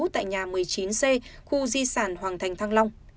tại nhà một mươi chín c khu di sản hoàng thành thăng long